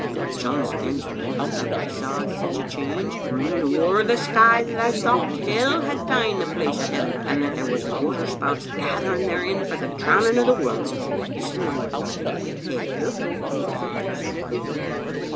But, John Spens, when I looked up I saw sic a change running ower the sky that I thocht hell had taen the place o* heaven, and that there was waterspouts gath ering therein for the drowning o' the world." " There's no water in hell," the precentor said grimly.